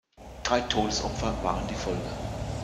Drei Todesopfer waren die Folge.